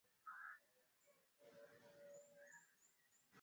Maandamano dhidi ya serikali ya kijeshi yameendelea tangu mapinduzi ya mwezi Oktoba